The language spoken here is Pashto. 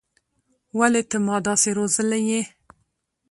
ولې ته ما داسې روزلى يې.